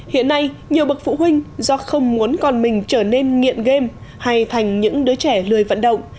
hiện nay nhiều bậc phụ huynh do không muốn con mình trở nên nghiện game hay thành những đứa trẻ lười vận động